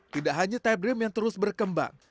tidak hanya type dream yang terus berkembang